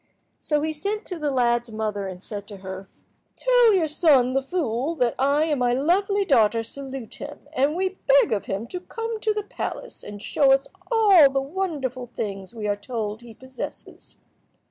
So he sent to the lad's mother, and said to her— "Tell your son, the fool, that I and my lovely daughter salute him, and we beg of him to come to the palace and show us all the wonderful things we are told he possesses.